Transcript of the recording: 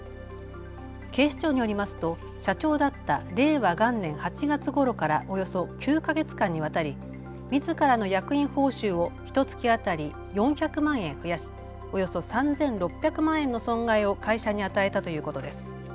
警視庁によりますと社長だった令和元年８月ごろからおよそ９か月間にわたりみずからの役員報酬をひとつき当たり４００万円増やしおよそ３６００万円の損害を会社に与えたということです。